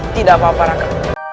tidak apa apa raka